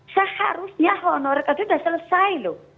seharusnya honorer kategori dua sudah selesai loh